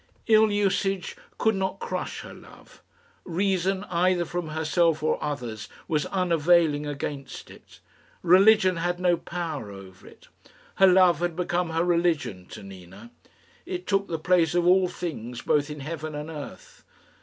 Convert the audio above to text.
Ill usage could not crush her love. Reason, either from herself or others, was unavailing against it. Religion had no power over it. Her love had become her religion to Nina. It took the place of all things both in heaven and earth.